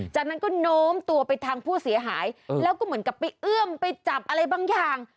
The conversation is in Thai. จากนั้นก็โน้มตัวไปทางผู้เสียหายแล้วก็เหมือนกับไปเอื้อมไปจับอะไรบางอย่าง